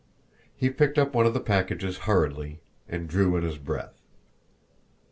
He picked up one of the packages hurriedly and drew in his breath.